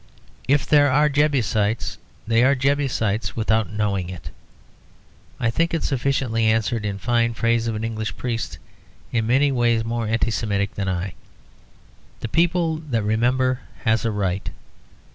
If there are Jebusites they are Jebusites without knowing it. I think it sufficiently answered in the fine phrase of an English priest, in many ways more Anti Semitic than I: "The people that remembers has a right."